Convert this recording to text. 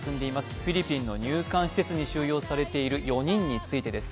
フィリピンの入管施設に収容されている４人についてです。